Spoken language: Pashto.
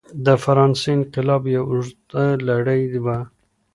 د فرانسې انقلاب یوه اوږده لړۍ وه.